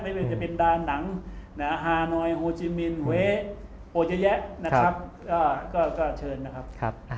ไม่ว่าจะเป็นดาหนังฮานอยโฮจิมินเวโฮยแยะนะครับก็เชิญนะครับ